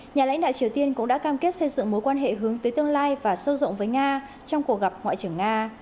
nhà lãnh đạo triều tiên cũng đã cam kết xây dựng mối quan hệ hướng tới tương lai và sâu rộng với nga trong cuộc gặp ngoại trưởng nga